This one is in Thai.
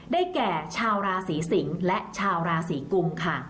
แก่ชาวราศีสิงศ์และชาวราศีกุมค่ะ